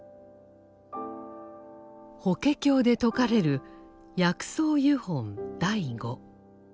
「法華経」で説かれる「薬草喩品第五」。